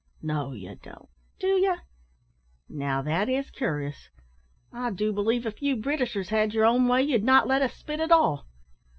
"No, you don't, do you? Now, that is cur'ous. I do believe if you Britishers had your own way, you'd not let us spit at all.